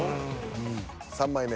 ３枚目。